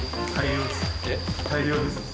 大量ですね。